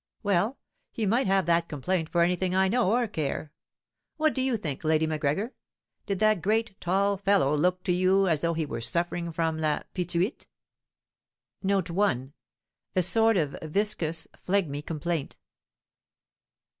Well, he might have that complaint for anything I know or care. What do you think, Lady Macgregor, did that great, tall fellow look, to you, as though he were suffering from la pituite?" A sort of viscous, phlegmy complaint.